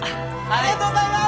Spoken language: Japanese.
ありがとうございます！